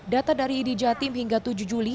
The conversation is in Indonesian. data dari idi jatim hingga tujuh juli